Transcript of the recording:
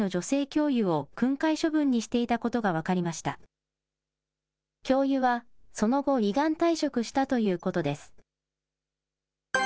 教諭はその後、依願退職したということです。